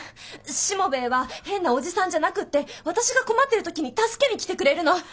しもべえは変なおじさんじゃなくて私が困ってる時に助けに来てくれるの。